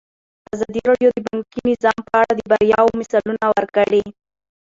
ازادي راډیو د بانکي نظام په اړه د بریاوو مثالونه ورکړي.